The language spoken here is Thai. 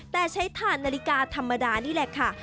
แต่ใช้ถ่านนาฬิกาธรรมดานี่แหละค่ะ